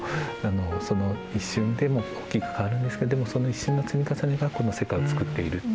その一瞬でも大きく変わるんですけどでもその一瞬の積み重ねがこの世界を作っている。